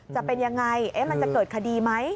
จะเป็นอย่างไรจะเกิดคดีไหม